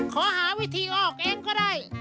ขอหาวิธีออกเองก็ได้